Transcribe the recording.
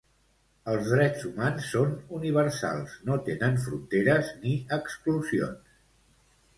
Els drets humans són universals, no tenen fronteres ni exclusions.